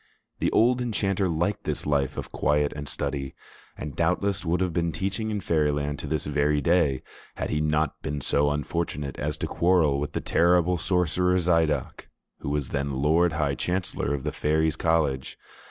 The old enchanter liked this life of quiet and study, and doubtless would have been teaching in Fairyland to this very day, had he not been so unfortunate as to quarrel with the terrible sorcerer Zidoc, who was then Lord High Chancellor of the Fairies' College.